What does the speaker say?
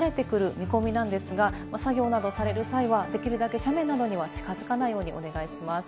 この後、晴れてくる見込みなんですが、作業などをされる際はできるだけ斜面などには近づかないようにお願いします。